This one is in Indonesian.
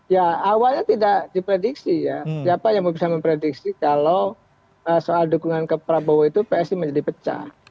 ya awalnya tidak diprediksi ya siapa yang bisa memprediksi kalau soal dukungan ke prabowo itu psi menjadi pecah